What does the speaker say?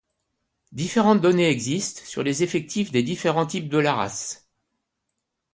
Différentes données existent sur les effectifs des différents types de la race.